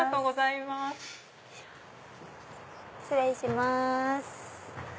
失礼します。